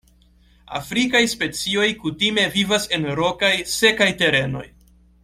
Afrikaj specioj kutime vivas en rokaj, sekaj terenoj.